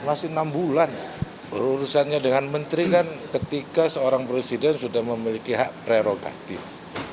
masih enam bulan urusannya dengan menteri kan ketika seorang presiden sudah memiliki hak prerogatif